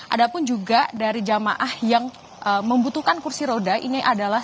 ada pun juga dari jamaah yang membutuhkan kursi roda ini adalah